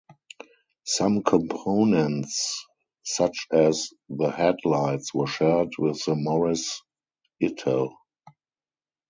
Some components, such as the headlights, were shared with the Morris Ital.